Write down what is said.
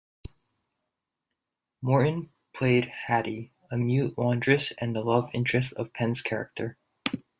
Morton played Hattie, a mute laundress and the love interest of Penn's character.